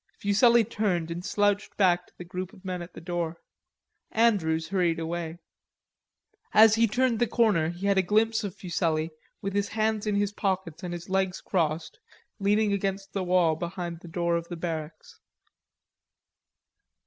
Fuselli turned and slouched back to the group of men at the door. Andrews hurried away. As he turned the corner he had a glimpse of Fuselli with his hands in his pockets and his legs crossed leaning against the wall behind the door of the barracks.